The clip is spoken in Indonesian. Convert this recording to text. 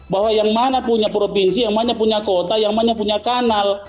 bahwa yang mana punya provinsi yang mana punya kota yang mana punya kanal